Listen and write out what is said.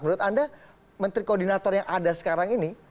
menurut anda menteri koordinator yang ada sekarang ini